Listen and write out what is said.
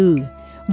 vừa có ý nghĩa